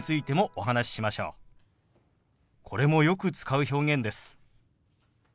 これもよく使う表現です。